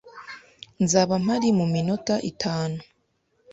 Nzaba mpari muminota itanu.